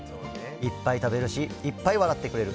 いっぱい食べるし、一杯笑ってくれる。